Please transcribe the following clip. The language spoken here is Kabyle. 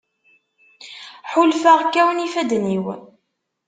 Ḥulfaɣ kkawen ifadden-iw.